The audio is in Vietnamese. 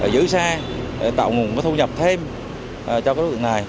giữ xe tạo nguồn thu nhập thêm cho các đối tượng này